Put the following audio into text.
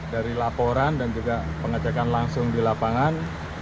dari laporan dan juga pengecekan langsung di lapangan